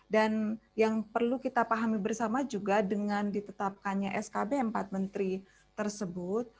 dan yang perlu kita pahami bersama juga dengan ditetapkannya skb empat menteri tersebut